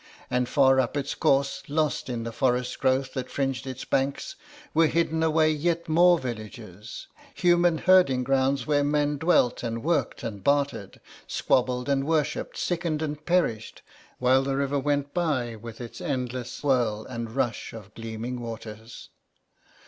And far up its course, lost in the forest growth that fringed its banks, were hidden away yet more villages, human herding grounds where men dwelt and worked and bartered, squabbled and worshipped, sickened and perished, while the river went by with its endless swirl and rush of gleaming waters.